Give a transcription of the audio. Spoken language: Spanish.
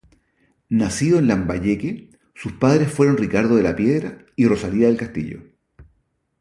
Nacido en Lambayeque, sus padres fueron Ricardo de la Piedra y Rosalía del Castillo.